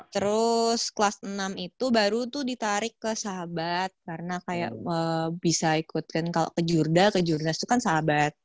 terus kelas enam itu baru tuh ditarik ke sahabat karena kayak bisa ikutkan kalau ke jurda ke jurdas itu kan sahabat